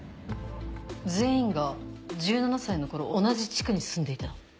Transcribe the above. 全員が１７歳の頃同じ地区に住んでいた。